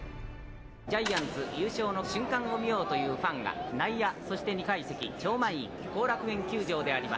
ジャイアンツ優勝の瞬間を見ようというファンが、内野、そして２階席、超満員、後楽園球